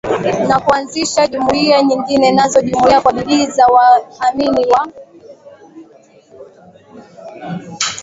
na kuanzisha jumuia nyingi Nazo jumuia kwa bidii za waamini wa